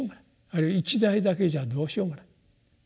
ある一代だけじゃどうしようもない。